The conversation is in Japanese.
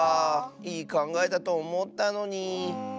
いいかんがえだとおもったのに。